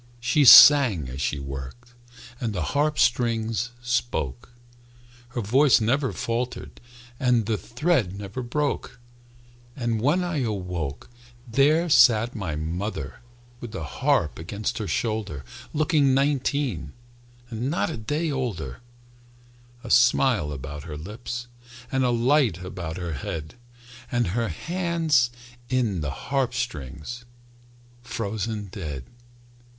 She sang as she worked, And the harp strings spoke; Her voice never faltered, And the thread never broke. And when I awoke,– There sat my mother With the harp against her shoulder Looking nineteen And not a day older, A smile about her lips, And a light about her head, And her hands in the harp strings Frozen dead.